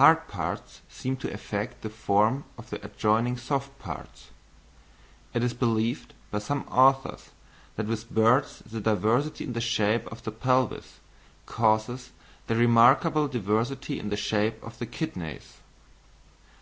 Hard parts seem to affect the form of adjoining soft parts; it is believed by some authors that with birds the diversity in the shape of the pelvis causes the remarkable diversity in the shape of the kidneys.